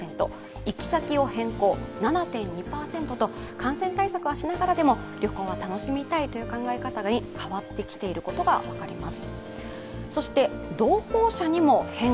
感染対策はしながらでも旅行は楽しみたいという考え方に変わってきていることが分かります。